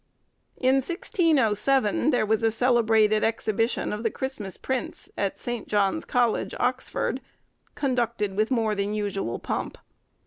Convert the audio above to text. In 1607, there was a celebrated exhibition of the Christmas Prince, at St. John's College, Oxford, conducted with more than usual pomp.